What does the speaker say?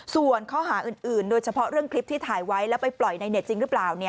ส่วนข้อหาอื่นโดยเฉพาะเรื่องคลิปที่ถ่ายไว้แล้วไปปล่อยในเน็ตจริงหรือเปล่า